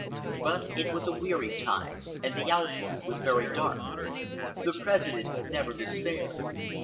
But it was a weary time, and the outlook was very dark. The President never despaired.